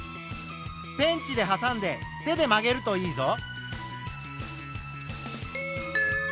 ペンチではさんで手で曲げるといいぞ。